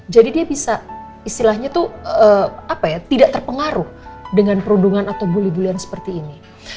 jadi dia bisa istilahnya tuh apa ya tidak terpengaruh dengan perundungan atau bully bully an seperti ini